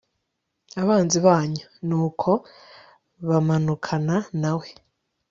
abanzi banyu. nuko bamanukana na we